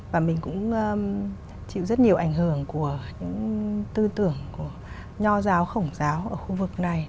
và mình cũng chịu rất nhiều ảnh hưởng của những tư tưởng của nho giáo khổng giáo ở khu vực này